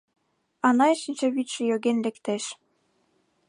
Анай шинчавӱдшӧ йоген лектеш.